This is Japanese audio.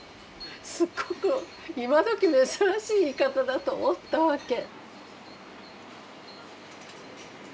すっごく今どき珍しい言い方だと思ったわけ。